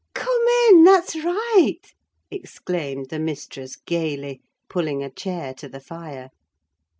"Come in, that's right!" exclaimed the mistress, gaily, pulling a chair to the fire.